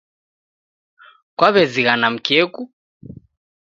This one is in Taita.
Kwaw'ezighana mkeku